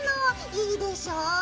いいでしょ！